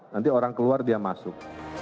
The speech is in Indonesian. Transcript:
nanti orang keluar dia masuk